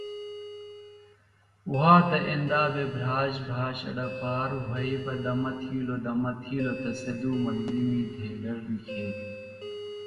وھاتہ اندا بھےۡ بِھراش بِھراش اڈپھرہ وھئیۡ بہ دمہ تھیلوۡ دمہ تھیلوۡ تہ سےۡ دُو ملگِرمی ڈھیدڑ نکھیتیۡ